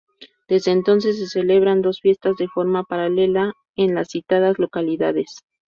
Desde entonces se celebran dos fiestas de forma paralela en las citadas localidades.